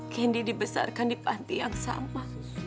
kendi dibesarkan di panti yang sama